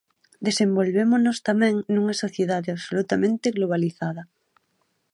Desenvolvémonos tamén nunha sociedade absolutamente globalizada.